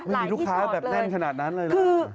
ไม่มีลูกค้าแบบแน่นขนาดนั้นเลยนะ